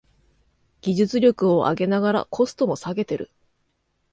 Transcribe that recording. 技術力を上げながらコストも下げてる